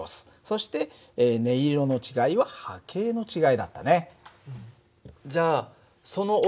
そして音色の違いは波形の違いだったね。